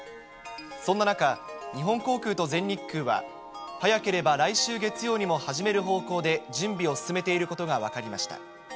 そんな中、日本航空と全日空は、早ければ来週月曜にも始める方向で準備を進めていることが分かりました。